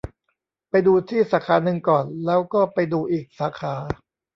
ไปดูที่สาขานึงก่อน แล้วก็ไปดูอีกสาขา